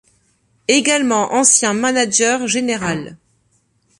Également ancien manager général.